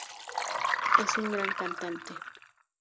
Es un gran cantante.